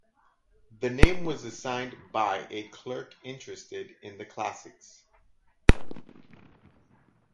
The name was assigned by a clerk interested in the classics.